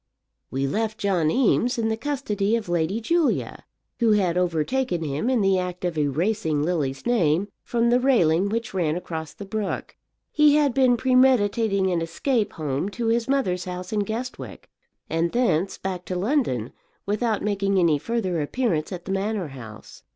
We left John Eames in the custody of Lady Julia, who had overtaken him in the act of erasing Lily's name from the railing which ran across the brook. He had been premeditating an escape home to his mother's house in Guestwick, and thence back to London, without making any further appearance at the Manor House.